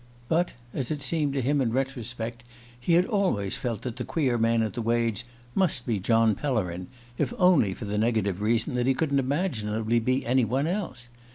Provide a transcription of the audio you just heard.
But, as it seemed to him in retrospect, he had always felt that the queer man at the Wades' must be John Pellerin, if only for the negative reason that he couldn't imaginably be any one else.